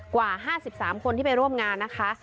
กว่า๕๓คนที่ไปร่วมงานนะคะ